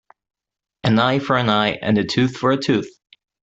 An eye for an eye and a tooth for a tooth.